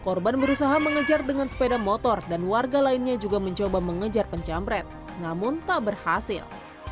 korban berusaha mengejar dengan sepeda motor dan warga lainnya juga mencoba mengejar penjamret namun tak berhasil